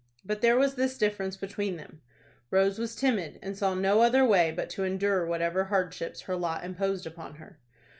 But there was this difference between them: Rose was timid, and saw no other way but to endure whatever hardships her lot imposed upon her.